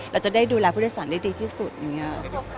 เราจะได้ดูแลผู้โดยสารได้ดีที่สุดอย่างนี้